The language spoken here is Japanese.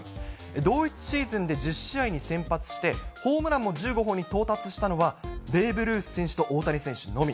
同一シーズンで１０試合に先発して、ホームランも１５本に到達したのはベーブ・ルース選手と大谷選手のみ。